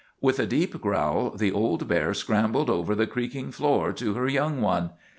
With a deep growl the old bear scrambled over the creaking floor to her young one.